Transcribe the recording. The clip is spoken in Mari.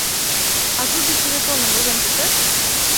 — А тудо фельетоным возен кертеш?